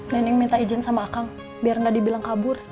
neneng minta izin sama akang biar gak dibilang kabur